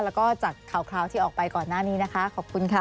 แล้วก็จากข่าวที่ออกไปก่อนหน้านี้นะคะขอบคุณค่ะ